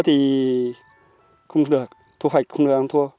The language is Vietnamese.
thì không được thu hoạch không được ăn thua